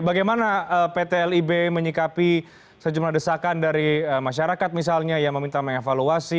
bagaimana pt lib menyikapi sejumlah desakan dari masyarakat misalnya yang meminta mengevaluasi